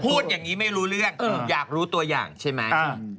พูดอย่างนี้ไม่รู้เรื่องอยากรู้ตัวอย่างใช่ไหม